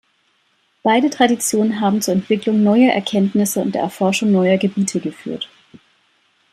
Beide Traditionen haben zur Entwicklung neuer Erkenntnisse und der Erforschung neuer Gebiete geführt.